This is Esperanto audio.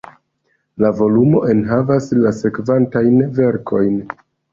La volumoj enhavis la sekvantajn verkojn.